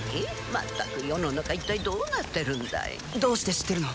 まったく世の中一体どうなってるんだいどうして知ってるの？